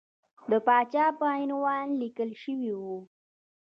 د پاچا په عنوان لیکل شوی وو.